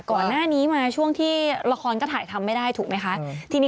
เพราะว่าเป็นกระแสมากเลยวันนี้